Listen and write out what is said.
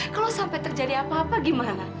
kalau sampai terjadi apa apa gimana